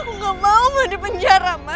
aku gak mau ma di penjara ma